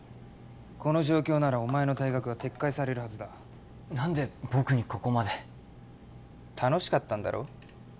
この状況ならお前の退学は撤回されるはずだ何で僕にここまで楽しかったんだろ？